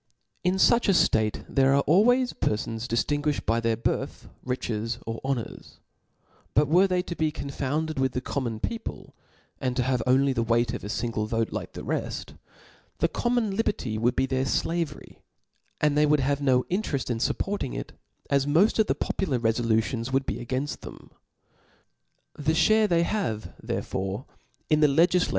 In fuch a (late there are always perfons diftinguiih^ cd by their birth, riches, or honors : but were they to be confounded with the common people, and to have only the weight of a fingle vote like the red, the common liberty would be their flavery, and they would have no intereft in fupporting it, as mod of the popular refolutions would be agaioft 0^2 , them. 1 228 THE S!>IRIT Book thcm. The Iharc they have therefore in tht legif Cb^!